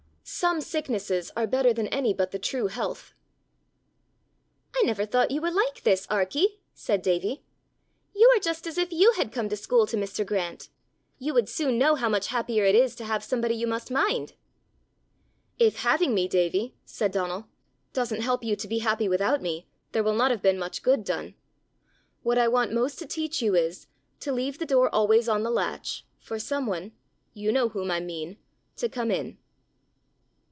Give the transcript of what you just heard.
Some sicknesses are better than any but the true health. "I never thought you were like this, Arkie!" said Davie. "You are just as if you had come to school to Mr. Grant! You would soon know how much happier it is to have somebody you must mind!" "If having me, Davie," said Donal, "doesn't help you to be happy without me, there will not have been much good done. What I want most to teach you is, to leave the door always on the latch for some one you know whom I mean to come in."